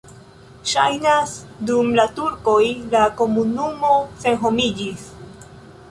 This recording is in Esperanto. Ŝajnas, dum la turkoj la komunumo senhomiĝis.